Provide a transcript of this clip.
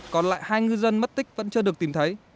còn lại hai ngư dân mất tích vẫn chưa được tìm thấy